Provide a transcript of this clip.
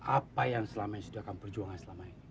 apa yang selama ini sudah kami perjuangkan selama ini